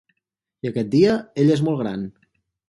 I aquest dia, ell és molt gran.